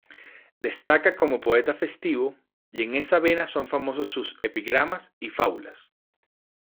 Destaca como poeta festivo, y en esa vena son famosos sus "Epigramas" y "Fábulas".